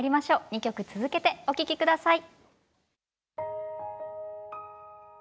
２曲続けてお聴き下さい。